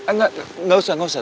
enggak enggak usah